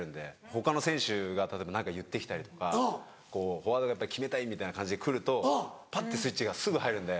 他の選手が例えば何か言ってきたりとかフォワードが「決めたい！」みたいな感じで来るとパッてスイッチがすぐ入るんで。